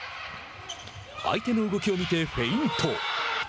相手の動きを見てフェイント。